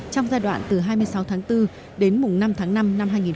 trong giai đoạn từ hai mươi sáu tháng bốn đến mùa năm tháng năm năm hai nghìn một mươi chín